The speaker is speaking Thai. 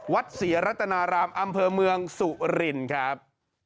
วัดศรีรัตนารามอำเภอเมืองสุรินครับ